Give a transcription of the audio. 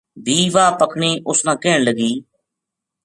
بھی واہ پکھنی اُس نا کہن لگی